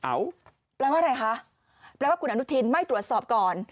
แปลว่าอะไรคะแปลว่าคุณอนุทินไม่ตรวจสอบก่อน